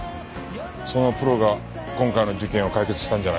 そのプロが今回の事件を解決したんじゃないか。